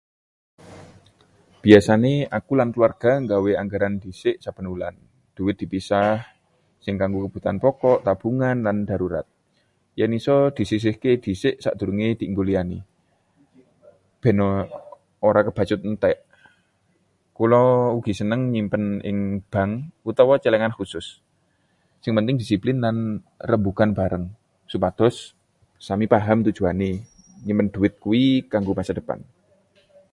Biasane aku lan keluarga nggawe anggaran dhisik saben wulan. Duit dipisah, sing kanggo kebutuhan pokok, tabungan, lan darurat. Yen iso, disisihke dhisik sakdurunge dienggo liyane, ben ora kebacut entek. Kulo ugi seneng nyimpen ing bank utawa celengan khusus. Sing penting disiplin lan rembugan bareng, supados sami paham tujuané nyimpen duit kuwi kanggo masa depan.